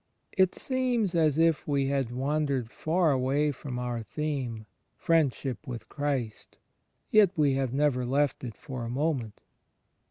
It seems as if we had wandered far away from our theme — Friendship with Christ. Yet we have never left it for a moment.